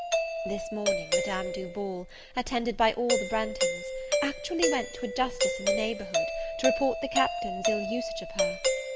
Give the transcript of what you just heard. This morning, Madame Duval, attended by all the Branghtons, actually went to a Justice in the neighborhood, to report the Captain's ill usage of her.